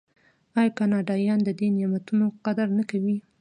آیا کاناډایان د دې نعمتونو قدر نه کوي؟